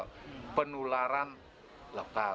diatibatkan oleh transmisi lokal